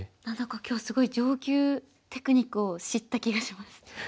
何だか今日すごい上級テクニックを知った気がします。